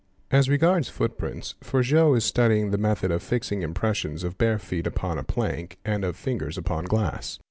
As regards footprints Forgeot is studying the method of fixing | im — pressions of bare feet upon a plank and of fingers upon glass.